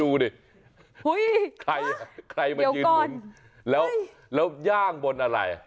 หุ้ยเห้ยเดี๋ยวก่อนใครใครมันยืนหมุนแล้วย่างบนอะไร